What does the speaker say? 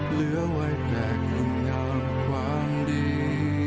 เหลือไว้แต่คุณงามความดี